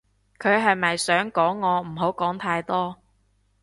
佢係咪想講我唔好講太多